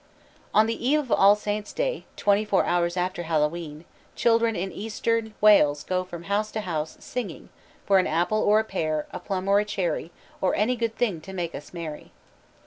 On the Eve of All Souls' Day, twenty four hours after Hallowe'en, children in eastern Wales go from house to house singing for "An apple or a pear, a plum or a cherry, Or any good thing to make us merry."